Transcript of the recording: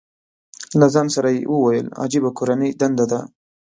له ځان سره یې وویل، عجیبه کورنۍ دنده ده.